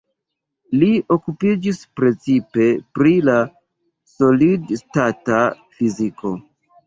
Li okupiĝis precipe pri la solid-stata fiziko.